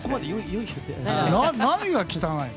何が汚いの？